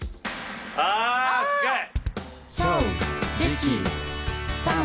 あ近い。